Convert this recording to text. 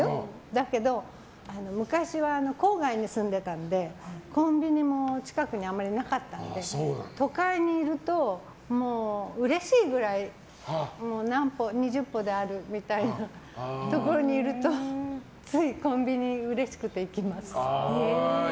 だけど、昔は郊外に住んでたのでコンビニも近くにあまりなかったので都会にいるともううれしいくらい２０歩であるみたいなところに行くとつい、コンビニにうれしくて行きます。